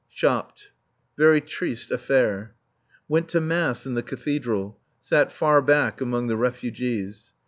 Shopped. Very triste affair. Went to mass in the Cathedral. Sat far back among the refugees.